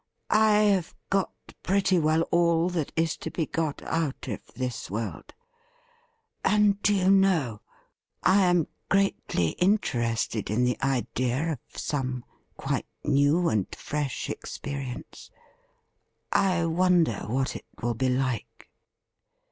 I have got pretty well all that is to be got out of this world, and, do you know, I am greatly interested in the idea of some quite new and fresh experience. I wonder what it will be like